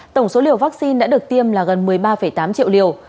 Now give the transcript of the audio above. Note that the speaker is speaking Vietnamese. tổng số liều vaccine đã được tiêm là gần một mươi ba tám triệu liều